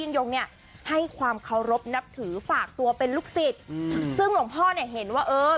ยงเนี่ยให้ความเคารพนับถือฝากตัวเป็นลูกศิษย์อืมซึ่งหลวงพ่อเนี่ยเห็นว่าเออ